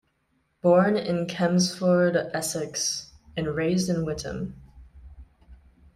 Born in Chelmsford, Essex, and raised in Witham.